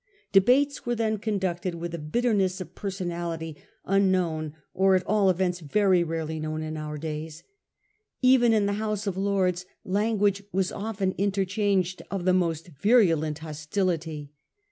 Debates were then conducted with a bitterness of personality unknown, or at all events very rarely known, in our days. Even in the House of Lords language was often interchanged of the most virulent hostility.